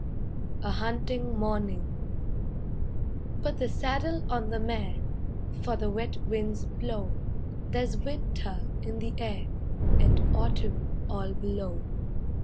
A HUNTING MORNING Put the saddle on the mare, For the wet winds blow; There's winter in the air, And autumn all below.